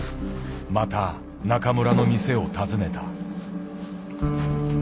また中村の店を訪ねた。